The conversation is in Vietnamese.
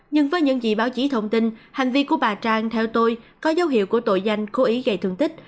nhưng với những gì báo chí thông tin hành vi của bà trang theo tôi có dấu hiệu của tội danh cố ý gây thương tích